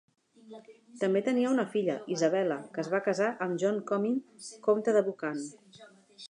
També tenia una filla, Isabella, que es va casar amb John Comyn, comte de Buchan.